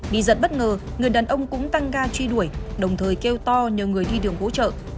đi giật bất ngờ người đàn ông cũng tăng ga truy đuổi đồng thời kêu to nhờ người đi đường hỗ trợ